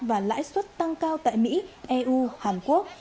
và lãi suất tăng cao tại mỹ eu hàn quốc